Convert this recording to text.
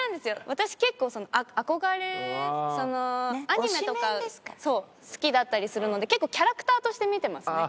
私結構憧れアニメとか好きだったりするので結構キャラクターとして見てますね。